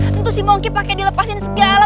tentu si bongki pake dilepasin segala